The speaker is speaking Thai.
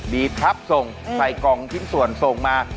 ดีครับส่งใส่กองพิมพ์ส่วนส่งมา